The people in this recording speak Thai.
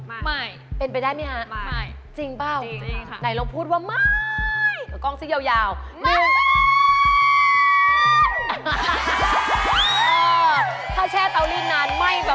ไม่ไม่เป็นไปได้มั้ยฮะจริงเปล่าจริงค่ะ